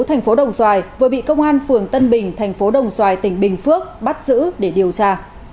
thành phố đồng xoài vừa bị công an phường tân bình thành phố đồng xoài tỉnh bình phước bắt giữ để điều tra